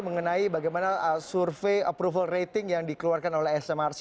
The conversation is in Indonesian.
mengenai bagaimana survei approval rating yang dikeluarkan oleh smrc